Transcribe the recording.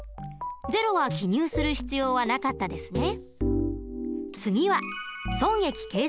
ゼロは記入する必要はなかったですね。